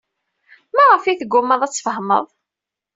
Maɣef ay teggumaḍ ad tfehmeḍ?